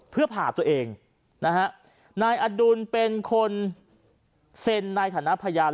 เพื่อผ่าตัวเองนะฮะนายอดุลเป็นคนเซ็นในฐานะพยาน